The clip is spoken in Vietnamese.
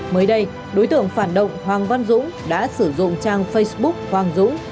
mới đây đối tượng phản động hoàng văn dũng đã sử dụng trang facebook hoàng dũng